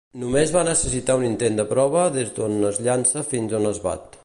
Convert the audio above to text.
Només va necessitar un intent de prova des d'on es llança fins on es bat.